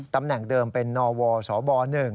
ตำแหน่งเดิมเป็นนวสบ๑